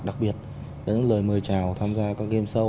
đặc biệt là những lời mời chào tham gia các game show